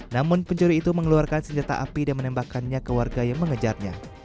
namun pencuri itu mengeluarkan senjata api dan menembakkannya ke warga yang mengejarnya